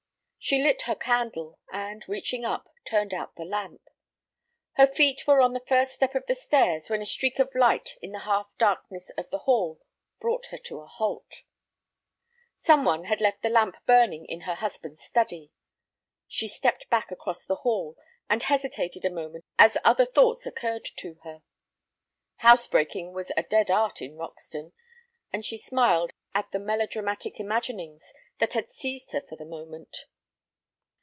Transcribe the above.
She lit her candle, and, reaching up, turned out the lamp. Her feet were on the first step of the stairs when a streak of light in the half darkness of the hall brought her to a halt. Some one had left the lamp burning in her husband's study. She stepped back across the hall, and hesitated a moment as other thoughts occurred to her. Housebreaking was a dead art in Roxton, and she smiled at the melodramatic imaginings that had seized her for the moment.